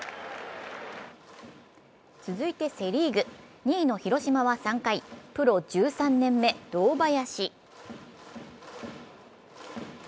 続いてセ・リーグ、２位の広島が３回、プロ１３年目・堂林。